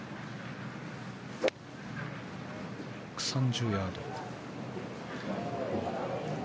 １３０ヤード。